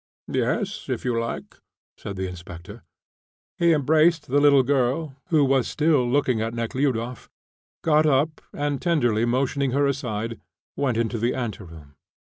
"Yes, if you like," said the inspector. He embraced the little girl, who was still looking at Nekhludoff, got up, and, tenderly motioning her aside, went into the ante room.